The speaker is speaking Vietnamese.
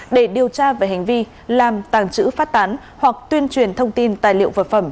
để điều tra về hành vi làm tàng trữ phát tán hoặc tuyên truyền thông tin tài liệu vật phẩm